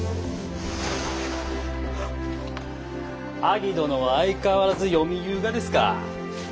アギ殿は相変わらず読みゆうがですか。